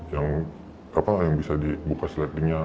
yang apa yang bisa dibuka seletinya